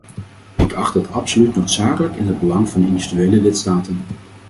Ik acht dat absoluut noodzakelijk in het belang van individuele lidstaten.